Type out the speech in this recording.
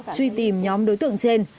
truy tìm nhóm đối tượng trên